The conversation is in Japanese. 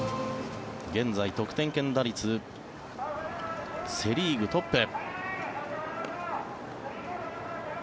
現在、得点圏打率セ・リーグトップ。